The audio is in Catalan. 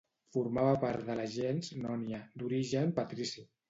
Formava part de la gens Nònia, d'origen patrici.